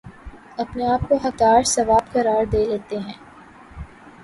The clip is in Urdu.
اپنے آپ کو حقدار ثواب قرار دے لیتےہیں